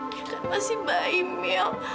dia kan masih bayi mil